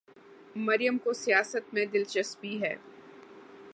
مریم کو سیاست میں دلچسپی ہے۔